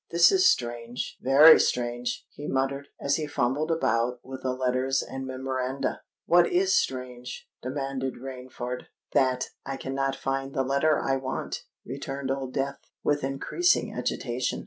"This is strange—very strange!" he muttered, as he fumbled about with the letters and memoranda. "What is strange?" demanded Rainford. "That I cannot find the letter I want," returned Old Death, with increasing agitation.